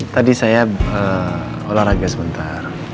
tadi saya olahraga sebentar